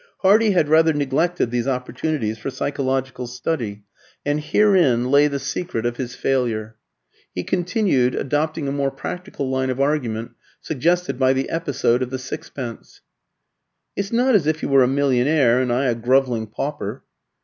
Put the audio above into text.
Hardy had rather neglected these opportunities for psychological study, and herein lay the secret of his failure. He continued, adopting a more practical line of argument suggested by the episode of the sixpence "It's not as if you were a millionaire and I a grovelling pauper.